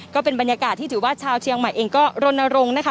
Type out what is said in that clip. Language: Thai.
ก็เป็นบรรยากาศที่ถือว่าชาวเชียงใหม่เองก็รณรงค์นะคะ